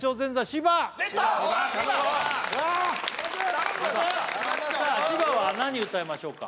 芝さあ芝は何歌いましょうか？